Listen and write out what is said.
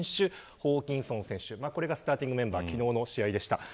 ホーキンソン選手、これがスターティングメンバーでした。